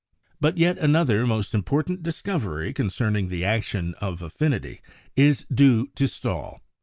But yet another most important discovery concerning the action of affinity is due to Stahl.